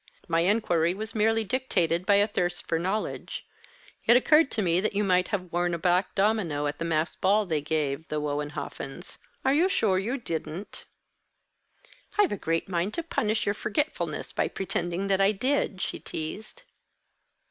My inquiry was merely dictated by a thirst for knowledge. It occurred to me that you might have won a black domino at the masked ball they gave, the Wohenhoffens. Are you sure you didn't?" "I've a great mind to punish your forgetfulness by pretending that I did," she teased.